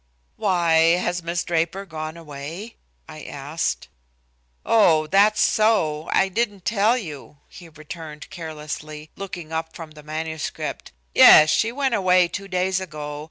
"Why, has Miss Draper gone away?" I asked. "Oh, that's so, I didn't tell you," he returned carelessly, looking up from the manuscript. "Yes, she went away two days ago.